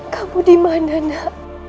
kamu dimana nak